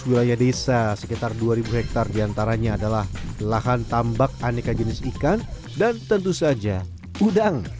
wilayah desa sekitar dua ribu hektare diantaranya adalah lahan tambak aneka jenis ikan dan tentu saja udang